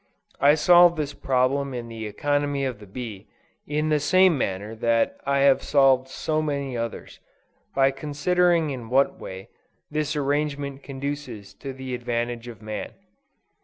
I solve this problem in the economy of the bee, in the same manner that I have solved so many others, by considering in what way, this arrangement conduces to the advantage of man.